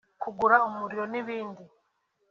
kugura umuriro n’ibindi